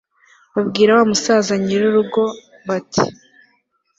babwira wa musaza nyir'urugo, bati